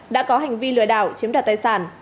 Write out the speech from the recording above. đã có hành vi lừa đảo chiếm đoạt tài sản